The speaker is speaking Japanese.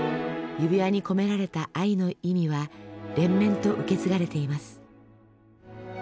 指輪に込められた愛の意味は連綿と受け継がれています。